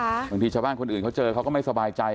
บางทีชาวบ้านคนอื่นเขาเจอเขาก็ไม่สบายใจ